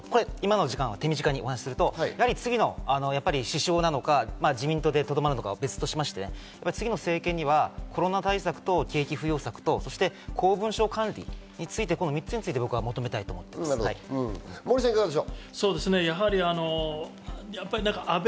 手短に話すと次の首相なのか、自民党でとどまるのかは別として、次の政権にはコロナ対策と景気浮揚策と公文書管理について、この３つに関してモーリーさんいかがでしょう？